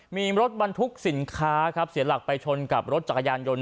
มีรถบรรทุกสินค้าครับเสียหลักไปชนกับรถจักรยานยนต์